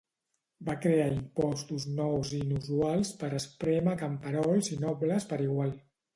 Va crear impostos nous i inusuals per esprémer a camperols i nobles per igual.